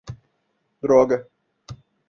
Droga!